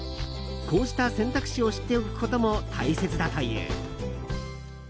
こうした選択肢を知っておくことも大切だという。